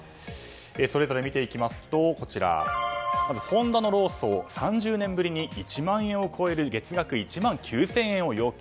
それぞれ見ていきますとまずホンダの労組は３０年ぶりに、１万円を超える月額１万９０００円を要求。